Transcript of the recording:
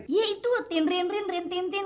iya itu tin rin rin rin tin tin